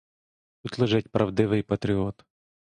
Тут лежить правдивий патріот!